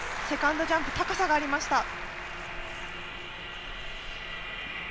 セカンドジャンプ、高さがありました。